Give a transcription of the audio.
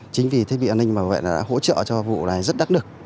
chính vì thiết bị an ninh bảo vệ đã hỗ trợ cho vụ này rất đắt được